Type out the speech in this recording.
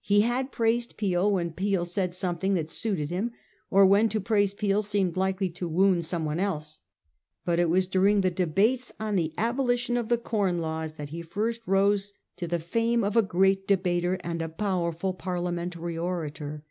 He had praised Peel when Peel said something that suited him, or when to praise Peel seemed likely to wound someone else. But it was during the debates on the abolition of the Com Laws that he first rose to the fame of a great debater and a powerful Parliamentary orator.